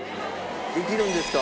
できるんですか？